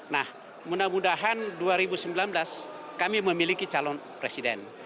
nah mudah mudahan dua ribu sembilan belas kami memiliki calon presiden